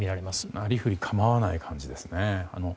なりふり構わない感じですね。